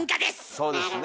そうですね。